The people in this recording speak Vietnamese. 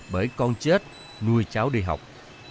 bởi con chết nuôi cháu đi học